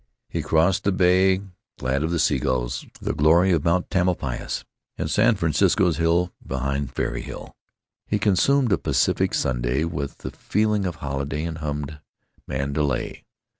He crossed the bay, glad of the sea gulls, the glory of Mt. Tamalpais, and San Francisco's hill behind fairy hill. He consumed a Pacific sundæ, with a feeling of holiday, and hummed "Mandalay."